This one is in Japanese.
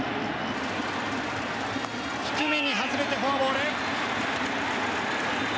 低めに外れてフォアボール。